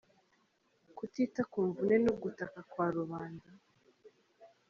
Kutita ku mvune n’ugutaka kwa rubanda